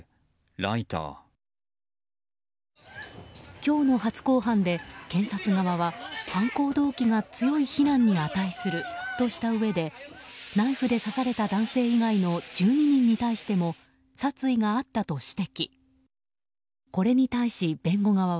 今日の初公判で検察側は犯行動機が強い非難に値するとしたうえでナイフで刺された男性以外の１２人に対しても殺意があったと指摘。